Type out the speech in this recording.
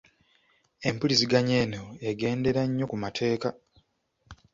Empuliziganya eno egendera nnyo ku mateeka .